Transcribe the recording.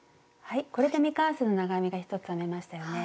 これで未完成の長編みが１つ編めましたよね。